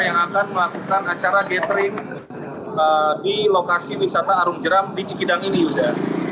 yang akan melakukan acara gathering di lokasi wisata arung jeram di cikidang ini yuda